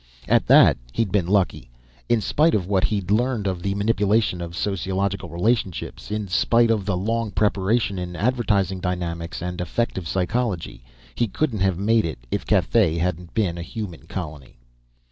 At that, he'd been lucky. In spite of what he'd learned of the manipulation of sociological relationships, in spite of the long preparation in advertising dynamics and affective psychology, he couldn't have made it if Cathay hadn't been a human colony!